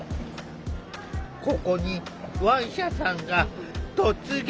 ここにワンシャさんが突撃！